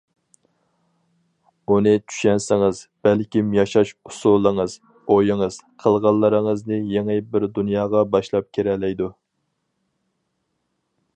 ئۇنى چۈشەنسىڭىز، بەلكىم ياشاش ئۇسۇلىڭىز، ئويىڭىز، قىلغانلىرىڭىزنى يېڭى بىر دۇنياغا باشلاپ كىرەلەيدۇ.